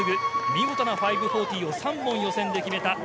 見事な５４０を３本予選で決めた岡本です。